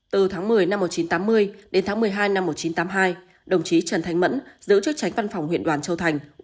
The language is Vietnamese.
từ tháng một mươi năm một nghìn chín trăm tám mươi đến tháng một mươi hai năm một nghìn chín trăm tám mươi hai đồng chí trần thanh mẫn giữ chức tránh văn phòng huyện đoàn châu thành